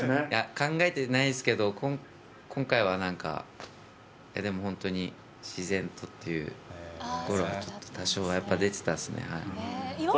いや、考えてないんですけど、今回はなんか、でも本当に自然とというところは多少やっぱ、出てたっすね。